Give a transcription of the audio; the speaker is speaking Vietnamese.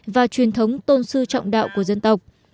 và truyền thống tôn sư trọng đạo của dân tộc